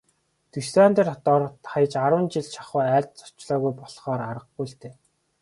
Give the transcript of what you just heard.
Дюссандер дор хаяж арван жил шахуу айлд зочлоогүй болохоор аргагүй л дээ.